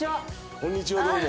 ・こんにちはどうも。